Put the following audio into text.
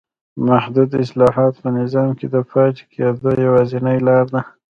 محدود اصلاحات په نظام کې د پاتې کېدو یوازینۍ لار ده.